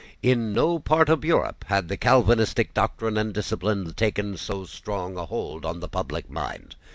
In no part of Europe had the Calvinistic doctrine and discipline taken so strong a hold on the public mind.